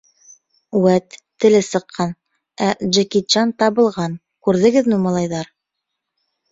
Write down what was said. — Үәт, теле сыҡҡан, ә, Джеки Чан табылған, күрҙегеҙме, малайҙар?